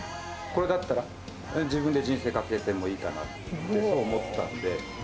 これだったら、自分で人生かけてもいいかなって、そう思ったんで。